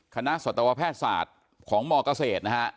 คณะสัตวแพทย์ศาสตร์ของมเกษตรนะครับ